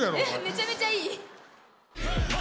めちゃめちゃいい！